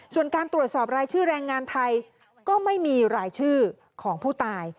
ส่วนการตรวจสอบรายชื่อแรงงานไทยก็ไม่มีรายชื่อของผู้ตาย